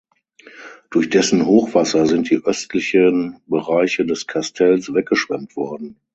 Durch dessen Hochwasser sind die östlichen Bereiche des Kastells weggeschwemmt worden.